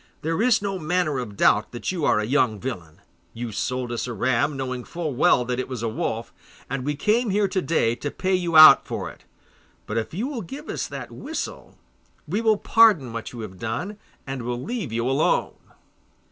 There is no manner of doubt that you are a young villain. You sold us a ram knowing full well that it was a wolf, and we came here to day to pay you out for it. But if you will give us that whistle, we will pardon what you have done, and will leave you alone.